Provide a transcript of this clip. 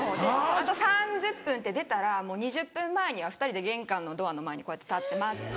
「あと３０分」って出たら２０分前には２人で玄関のドアの前にこうやって立って待って。